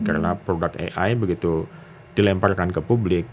karena produk ai begitu dilemparkan ke publik